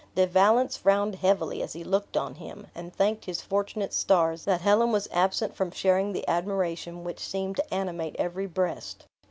De Valence frowned heavily as he looked on him, and thanked his fortunate stars that Helen was absent from sharing the admiration which seemed to animate every breast.